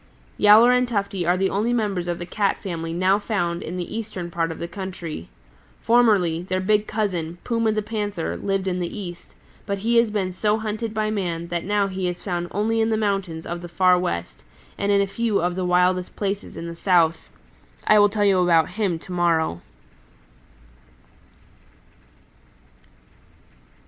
"Yowler and Tufty are the only members of the Cat family now found in the eastern part of the country. Formerly, their big cousin, Puma the Panther, lived in the East, but he has been so hunted by man that now he is found only in the mountains of the Far West and in a few of the wildest places in the South. I will tell you about him to morrow."